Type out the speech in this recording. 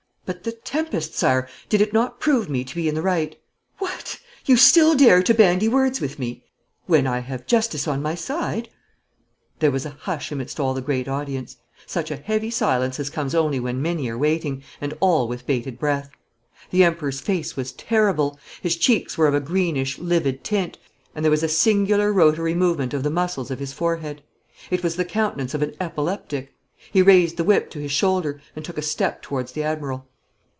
'But the tempest, Sire! Did it not prove me to be in the right?' 'What! You still dare to bandy words with me?' 'When I have justice on my side.' There was a hush amidst all the great audience; such a heavy silence as comes only when many are waiting, and all with bated breath. The Emperor's face was terrible. His cheeks were of a greenish, livid tint, and there was a singular rotary movement of the muscles of his forehead. It was the countenance of an epileptic. He raised the whip to his shoulder, and took a step towards the admiral.